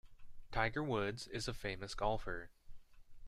Tiger Woods is a famous golfer.